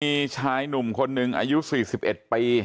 มีชายหนุ่มคนหนึ่งอายุ๔๑ปี